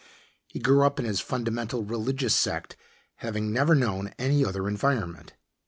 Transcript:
He grew up in his fundamental, religious sect having never known any other environment.